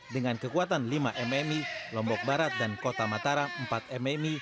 dengan kekuatan lima mmi lombok barat dan kota mataram empat mmi